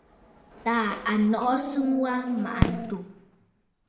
Taà à nɔʼɔ sɨŋ wa mmàʼà ǹto.